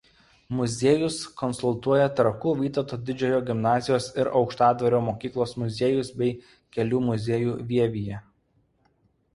Muziejus konsultuoja Trakų Vytauto Didžiojo gimnazijos ir Aukštadvario mokyklos muziejus bei Kelių muziejų Vievyje.